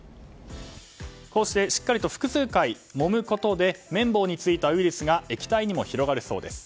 こうしてしっかりと複数回もむことで綿棒についたウイルスが液体にも広がるそうです。